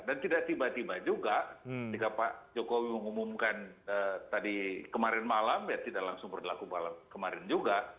dan tidak tiba tiba juga jika pak jokowi mengumumkan tadi kemarin malam ya tidak langsung berlaku kemarin juga